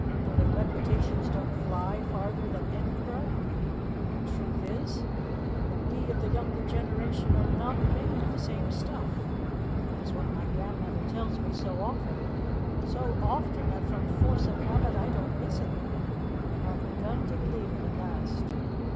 or that reputations don't fly farther than Edinburgh? The truth is that we of the younger generation are not made of the same stuff. That is what my grandmother tells me so often so often that, from force of habit, I don't listen. But I have begun to believe it at last."